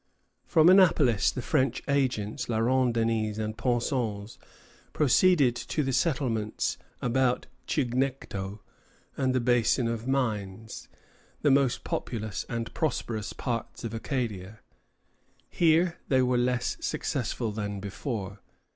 From Annapolis the French agents, La Ronde Denys and Pensens, proceeded to the settlements about Chignecto and the Basin of Mines, the most populous and prosperous parts of Acadia. Here they were less successful than before.